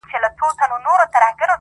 o لښکر که ډېر وي، بې سره هېر وي!